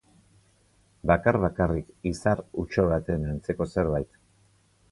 Bakar--bakarrik izar uxo baten antzeko zerbait.